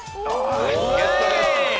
ゲットです。